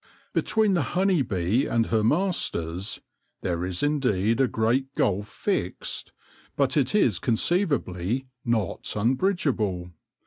Between the honey bee and her masters there is indeed a great gulf fixed, but it is conceivably not unbridgeable.